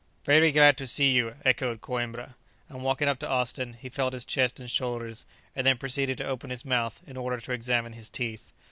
"Very glad to see you!" echoed Coïmbra, and walking up to Austin he felt his chest and shoulders, and then proceeded to open his mouth in order to examine his teeth.